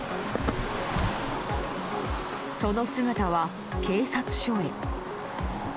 その姿は警察署へ。